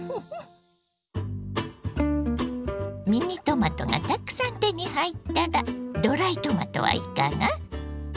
ミニトマトがたくさん手に入ったらドライトマトはいかが。